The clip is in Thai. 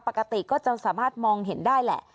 ปกติก็จะสามารถมองเห็นได้แหละ